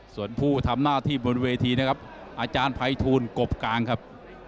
ส่วนผู้ทำหน้าที่บนเวทีนะครับอาจารย์ภัยทูลกบกลางครับ